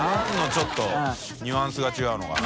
ちょっとニュアンスが違うのかな？